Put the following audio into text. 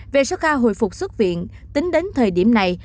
về số ca hồi phục xuất viện tính đến thời điểm này